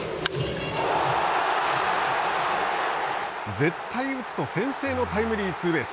絶対に打つと先制のタイムリーツーベース。